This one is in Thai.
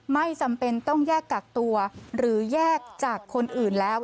ไม่จำเป็นต้องแยกกักตัวหรือแยกจากคนอื่นแล้ว